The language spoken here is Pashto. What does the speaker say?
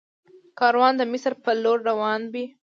کاروان د مصر په لور روان وي.